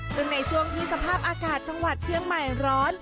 ซึ่งในช่วงที่สภาพอากาศจังหวัดเชียงใหม่ร้อน